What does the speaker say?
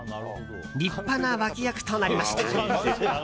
立派な脇役となりました。